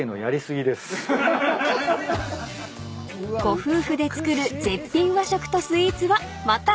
［ご夫婦で作る絶品和食とスイーツはまたあした］